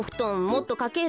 もっとかける？